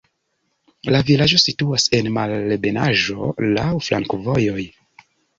La vilaĝo situas en malebenaĵo, laŭ flankovojoj.